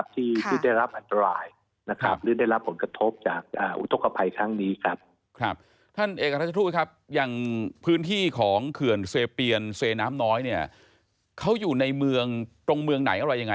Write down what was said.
ที่ได้รับอัตรายหรือได้รับผลกระทบจากอุตกภัยขั้นนี้ครับ